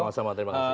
sama sama terima kasih